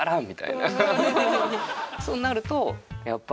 そうなるとやっぱ。